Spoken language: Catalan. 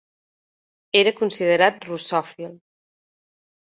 Era considerat russòfil.